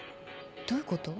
どういうこと？